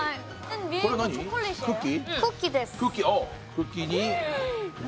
クッキーに。